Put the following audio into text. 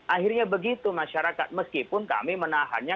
akhirnya begitu masyarakat meskipun kami menahannya